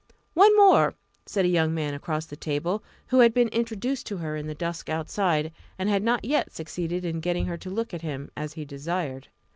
"One more," said a young man across the table, who had been introduced to her in the dusk outside, and had not yet succeeded in getting her to look at him, as he desired.